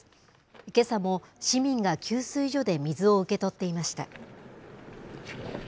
けさも市民が給水所で水を受け取っていました。